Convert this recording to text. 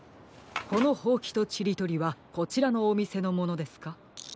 このほうきとちりとりはこちらのおみせのものですか？